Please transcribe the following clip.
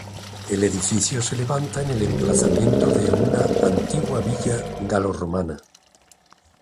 El edificio se levanta en el emplazamiento de una antigua villa galorromana.